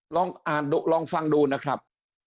ลองอ่านลองฟังดูนะครับ